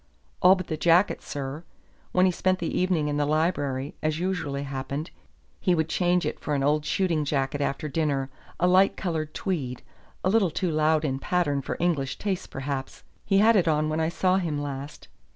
"All but the jacket, sir. When he spent the evening in the library, as usually happened, he would change it for an old shooting jacket after dinner, a light colored tweed, a little too loud in pattern for English tastes, perhaps. He had it on when I saw him last.